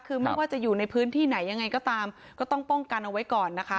คือไม่ว่าจะอยู่ในพื้นที่ไหนยังไงก็ตามก็ต้องป้องกันเอาไว้ก่อนนะคะ